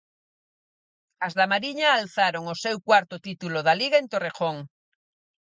As da Mariña alzaron o seu cuarto título da Liga en Torrejón.